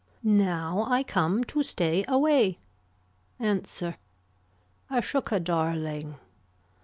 Now I come to stay away. Answer. I shook a darling.